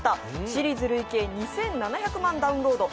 シリーズ累計２７００万ダウンロード